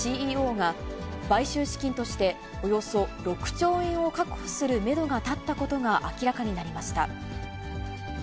ＣＥＯが、買収資金としておよそ６兆円を確保するメドが立ったことが明らかになりました。